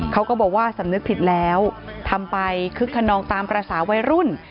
เขาก็บอกว่าสำนึกผิดแล้วทำไปคึกขนองตามภาษาวัยรุ่น